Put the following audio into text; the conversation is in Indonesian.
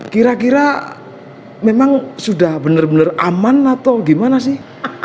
kira kira memang sudah benar benar aman atau gimana sih